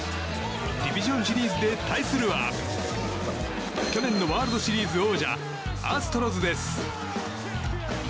ディビジョンシリーズで対するは去年のワールドシリーズ王者アストロズです。